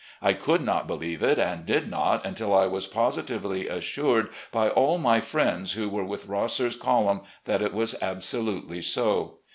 I could not believe it, and did not until I was positively assured by all my friends who were with Rosser's column that it was absolutely so.